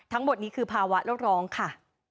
ทั้งหมดนี้คือภาวะโลกร้องค่ะ